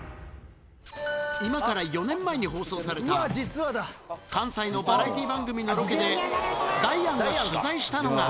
今から４年前に放送された、関西のバラエティー番組のロケで、ダイアンが取材したのが。